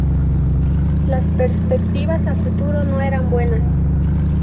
Las perspectivas a futuro no eran buenas.